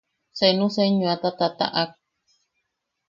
Senu senyoata tataʼak.